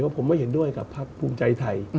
ว่าผมไม่เห็นด้วยกับภักดิ์ภูมิใจไทย